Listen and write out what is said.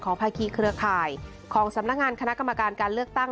อภัยคีเครือข่ายของสำนักงานคณะกรรมการการเลือกตั้ง